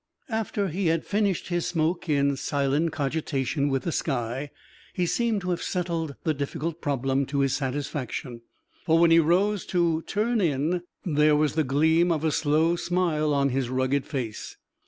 After he had finished his smoke in silent cogitation with the sky, he seemed to have settled the difficult problem to his satisfaction, for when he rose to "turn in" there was the gleam of a slow smile on his rugged face.